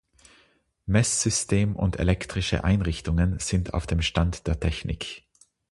Messsystem und elektrische Einrichtungen sind auf dem Stand der Technik.